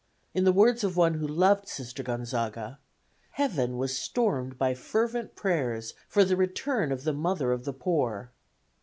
In the words of one who loved Sister Gonzaga, "Heaven was stormed by fervent prayers for the return of the Mother of the Poor."